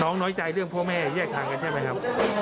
น้อยใจเรื่องพ่อแม่แยกทางกันใช่ไหมครับ